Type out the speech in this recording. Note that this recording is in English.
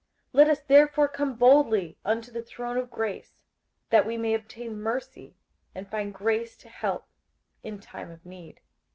58:004:016 Let us therefore come boldly unto the throne of grace, that we may obtain mercy, and find grace to help in time of need.